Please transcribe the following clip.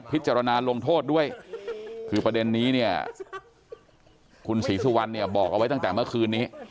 พิจารณาลงโทษด้วยคือประเด็นนี้เนี่ยคุณศรีสุวรรณเนี่ยบอกเอาไว้ตั้งแต่เมื่อคืนนี้